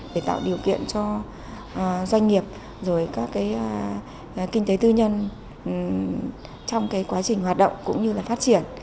doanh nghiệp kinh tế tư nhân trong quá trình hoạt động cũng như phát triển